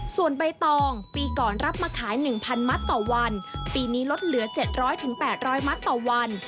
ส่วนใบตองปีก่อนรับมาขาย๑๐๐มัตต์ต่อวันปีนี้ลดเหลือ๗๐๐๘๐๐มัตต์ต่อวัน